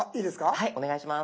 はいお願いします。